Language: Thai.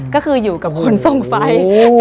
ก็คืออยู่กับคนซ่อมไฟ